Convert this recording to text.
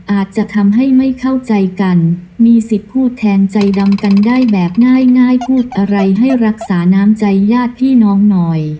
อาจจะทำให้ไม่เข้าใจกันมีสิทธิ์พูดแทนใจดำกันได้แบบง่ายพูดอะไรให้รักษาน้ำใจญาติพี่น้องหน่อย